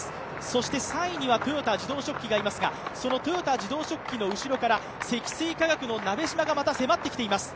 そして３位には豊田自動織機がいますが、その豊田自動織機の後ろから積水化学の鍋島が迫ってきています。